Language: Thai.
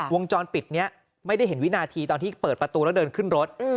วงจรปิดนี้ไม่ได้เห็นวินาทีตอนที่เปิดประตูแล้วเดินขึ้นรถ